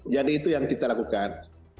jadi itu yang kita lakukan